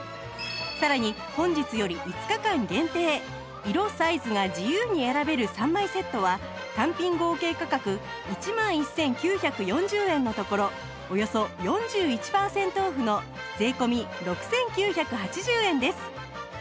さらに本日より５日間限定色サイズが自由に選べる３枚セットは単品合計価格１万１９４０円のところおよそ４１パーセントオフの税込６９８０円です